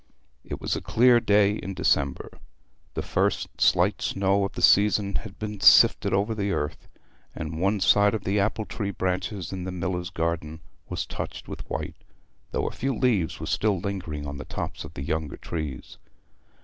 It was a clear day in December. The first slight snow of the season had been sifted over the earth, and one side of the apple tree branches in the miller's garden was touched with white, though a few leaves were still lingering on the tops of the younger trees.